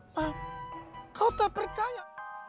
pak kau tak percaya